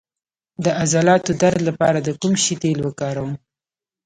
د عضلاتو درد لپاره د کوم شي تېل وکاروم؟